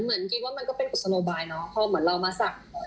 เหมือนคิดว่ามันก็เป็นกุศโลบายเนาะพอเหมือนเรามาสัก